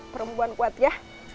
perempuan kuat ya